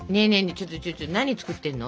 ちょっとちょっと何作ってるの？